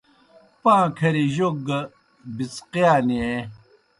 پاں کھریْ جوک گہ پِڅقِیا نیں۔